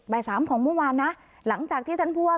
สามของเมื่อวานนะหลังจากที่ท่านผู้ว่า